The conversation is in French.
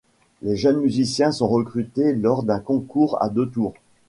Les jeunes musiciens sont recrutés lors d'un concours à deux tours.